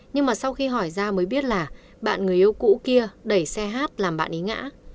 nhưng mà sau khi hỏi ra mới biết là bạn người yêu cũ kia đẩy xe hát làm bạn ý ngã